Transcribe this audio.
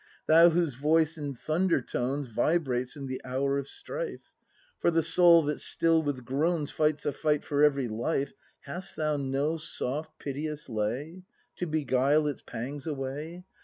Thou whose voice in thunder tones Vibrates in the hour of strife. For the soul that still with groans Fights a fight for very life, Hast thou no soft, piteous lay, To beguile its pangs away?